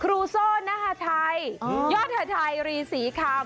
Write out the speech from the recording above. ครูโซ่นหาไทยยอดหาไทยรีสีคำ